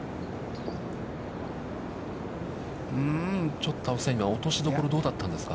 ちょっと落としどころ、どうだったんですか。